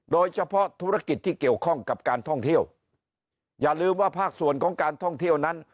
โดยเฉพาะธุรกิจที่เกี่ยวข้องกับการท่องเที่ยวอย่าลืมว่าภาคส่วนของการท่องเที่ยวนั้น